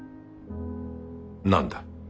何だ。